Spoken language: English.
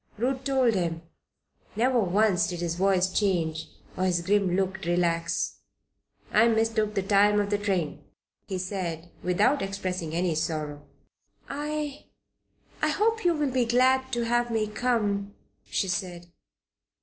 Ruth told him. Never once did his voice change or his grim look relax. "I mistook the time of the train," he said, without expressing any sorrow. "I I hope you will be glad to have me come," the said.